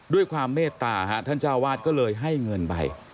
ด้วยความเมตตาท่านเจ้าวาดก็เลยให้เงินไป